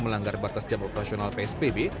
melanggar batas jam operasional psbb